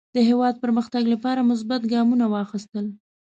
د هېواد پرمختګ لپاره مثبت ګامونه واخیستل.